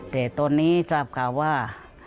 แต่ตอนนี้ทราบข่าวว่า